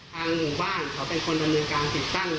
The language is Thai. ทางหลุงบ้านเขาเป็นคนลำลุงการติดตั้ง